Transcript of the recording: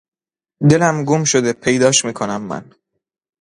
دلم گمشده پیداش میکنم من